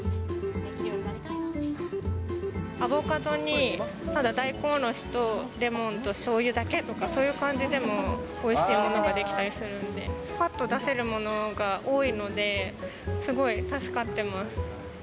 アボカドにただ大根おろしとレモンとしょうゆだけとか、そういう感じでもおいしいものができたりするんで、ぱっと出せるものが多いので、すごい助かってます。